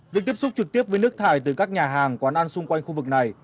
việc tiếp xúc trực tiếp với nước thải từ các nhà hàng quán ăn xung quanh khu vực này